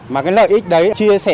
mà cái lợi ích đấy chia sẻ